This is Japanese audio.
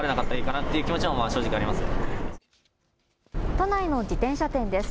都内の自転車店です。